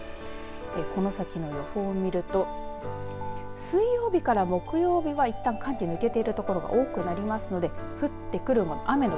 この先の予報を見ると水曜日から木曜日はいったん寒気抜けている所が多くなりますので降ってくるもの